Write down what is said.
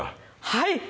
はい！